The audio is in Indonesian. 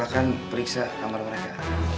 semuanya pada pesanan minggu ya